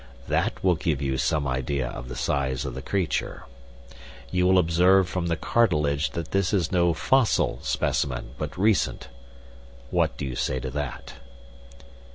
That will give you some idea of the size of the creature. You will observe from the cartilage that this is no fossil specimen, but recent. What do you say to that?"